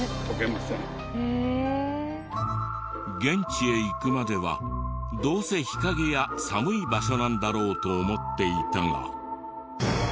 現地へ行くまではどうせ日陰や寒い場所なんだろうと思っていたが。